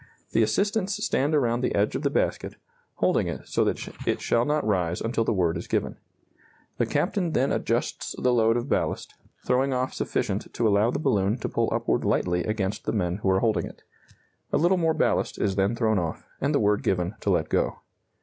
The assistants stand around the edge of the basket, holding it so that it shall not rise until the word is given. The captain then adjusts the load of ballast, throwing off sufficient to allow the balloon to pull upward lightly against the men who are holding it. A little more ballast is then thrown off, and the word given to let go.